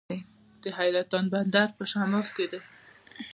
د حیرتان بندر په شمال کې دی